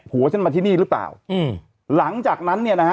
หัวฉันมาที่นี่หรือเปล่าอืมหลังจากนั้นเนี่ยนะฮะ